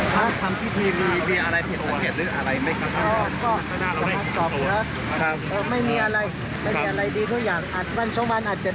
ทุกคนผมต้อนรับครูบาบุญชุม